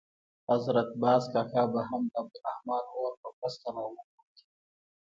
حضرت باز کاکا به هم د عبدالرحمن اور په مرسته راووت.